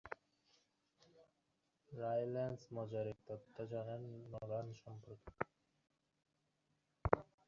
তোমার হাতে জোর ভালো।